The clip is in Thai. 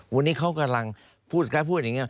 วันนี้เขากำลังพูดอย่างนี้